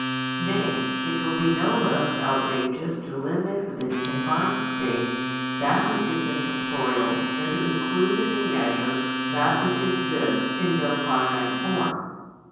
Nay, it will be no less outrageous to limit within a confined space that which is incorporeal than to include in a measure that which exists in no finite form.